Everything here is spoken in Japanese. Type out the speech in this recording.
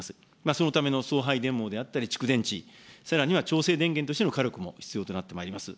そのための送配電網であったり、蓄電池、さらには調整電源としての火力も必要となってまいります。